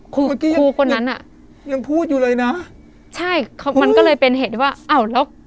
ครูเมื่อกี้ครูคนนั้นอ่ะยังพูดอยู่เลยนะใช่มันก็เลยเป็นเหตุที่ว่าอ้าวแล้ว